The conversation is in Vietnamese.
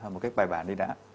một cách bài bản đi đã